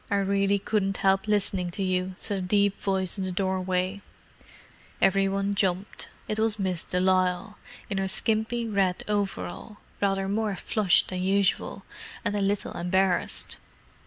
"I really couldn't help listening to you," said a deep voice in the doorway. Every one jumped. It was Miss de Lisle, in her skimpy red overall—rather more flushed than usual, and a little embarrassed.